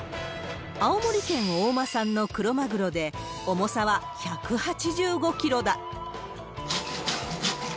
青森県大間産のクロマグロで重さは１８５キロだ。